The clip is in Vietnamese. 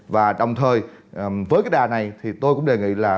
và đồng thời với cái đà này thì tôi cũng đề nghị là